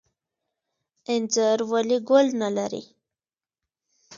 انځر ولې ګل نلري؟